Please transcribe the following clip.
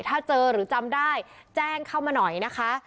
ถ้าเจอหรือจำได้แจ้งเข้ามาหน่อยนะคะ